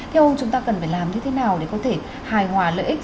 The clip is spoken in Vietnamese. theo ông chúng ta cần phải làm như thế nào để có thể hài hòa lợi ích